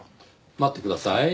待ってください。